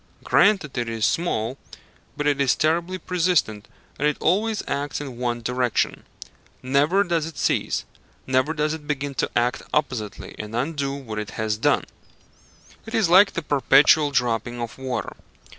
Granted it is small, but it is terribly persistent; and it always acts in one direction. Never does it cease: never does it begin to act oppositely and undo what it has done. It is like the perpetual dropping of water.